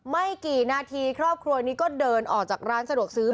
ไม่กี่นาทีครอบครัวนี้ก็เดินออกจากร้านสะดวกซื้อ